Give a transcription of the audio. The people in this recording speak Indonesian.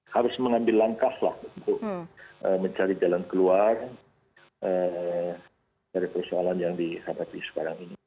harus mengambil langkah untuk mencari jalan keluar dari persoalan yang dihadapi sekarang ini